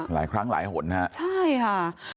หลายครั้งหลายหนฮะใช่ค่ะ